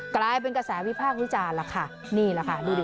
กลายเป็นกระแสวิภาควิจารณ์ล่ะค่ะนี่ล่ะค่ะดูดิ